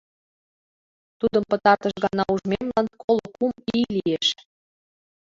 Тудым пытартыш гана ужмемлан коло кум ий лиеш.